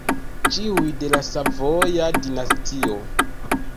Ĉiuj de la Savoja dinastio.